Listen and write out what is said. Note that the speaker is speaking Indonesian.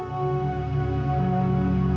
kalau ada apa apa